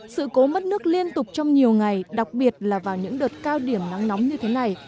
sự cố mất nước liên tục trong nhiều ngày đặc biệt là vào những đợt cao điểm nắng nóng như thế này